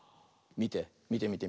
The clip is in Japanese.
みてみてみて。